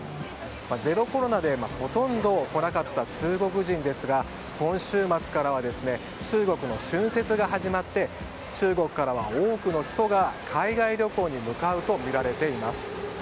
ゼロコロナでほとんど来なかった中国人ですが今週末からは中国の春節が始まって中国からは多くの人が海外旅行に向かうとみられています。